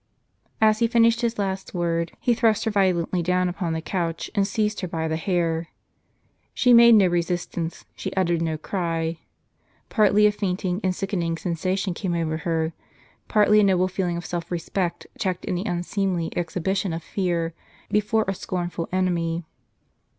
As he finished his last word, he thrust her violently down upon the couch, and seized her by the hair. She made no resistance, she uttered no cry ; partly a fainting and sickening sensation came over her ; partly a noble feeling of self respect checked any unseemly exhibition of fear, before a scornful enemy.